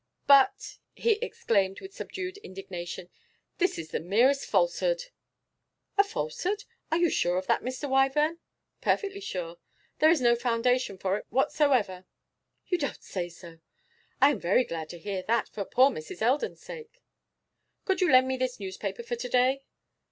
'But,' he exclaimed, with subdued indignation, 'this is the merest falsehood!' 'A falsehood! Are you sure of that, Mr. Wyvern?' 'Perfectly sure. There is no foundation for it whatsoever.' 'You don't say so! I am very glad to hear that, for poor Mrs. Eldon's sake.' 'Could you lend me this newspaper for to day?